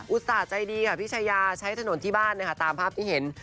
ต่าใจดีค่ะพี่ชายาใช้ถนนที่บ้านนะคะตามภาพที่เห็น